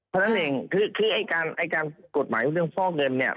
เท่านั้นเองคือไอ้การกฎหมายเรื่องฟอกเงินเนี่ย